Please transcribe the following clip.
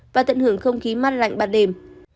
và tận hưởng không khí mát lạnh ban đêm